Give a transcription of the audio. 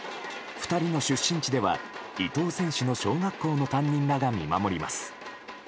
２人の出身地では伊藤選手の小学校の担任らが見守ります。